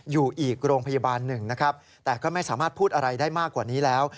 อยู่อีกโรงพยาบาลหนึ่งนะครับแต่ก็ไม่สามารถพูดอะไรได้มากกว่านี้แล้ว